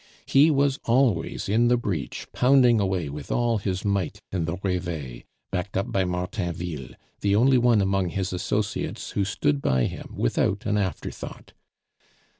He was always in the breach, pounding away with all his might in the Reveil, backed up by Martainville, the only one among his associates who stood by him without an afterthought.